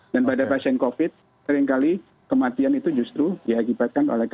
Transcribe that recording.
dan pada pasien covid sembilan belas seringkali kematian itu justru diakibatkan oleh